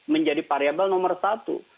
menjadi variabel nomor satu